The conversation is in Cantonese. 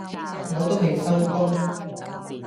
我都未收工